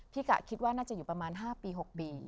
กะคิดว่าน่าจะอยู่ประมาณ๕ปี๖ปี